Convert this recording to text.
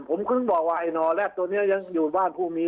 ผมเขินบอกว่าไอ้นต์เนี้ยตัวเนี้ยยังอยู่บ้านผู้มี